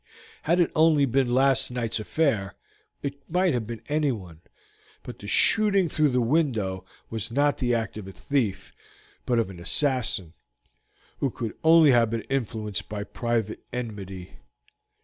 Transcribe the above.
Had it only been last night's affair it might have been anyone; but the shooting through the window was not the act of a thief, but of an assassin, who could only have been influenced by private enmity.